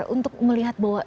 untuk melihat bahwa